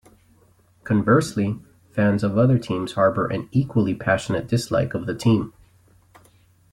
Conversely, fans of other teams harbour an equally passionate dislike of the team.